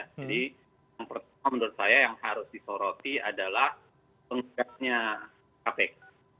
jadi yang pertama menurut saya yang harus disoroti adalah penggiatnya kpk